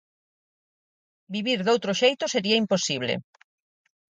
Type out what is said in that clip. Vivir doutro xeito sería imposible.